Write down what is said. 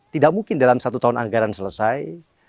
tidak mungkin dalam satu tahun anggaran selesai